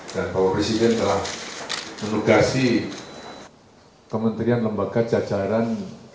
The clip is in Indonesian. dan bapak presiden telah menugasi kementerian lembaga jajaran